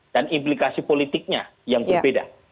dan implikasi politiknya yang berbeda